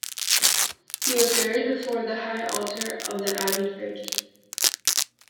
He was buried before the high altar of the abbey church.